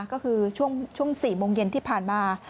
ก็คือช่วง๔โมงเย็นที่ผ่านมา